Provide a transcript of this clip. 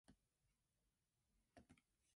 The bays are named after famous aircraft carriers.